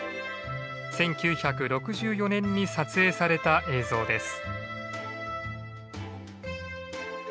１９６４年に撮影された映像です。